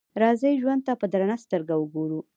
راځئ ژوند ته په درنه سترګه وګورو.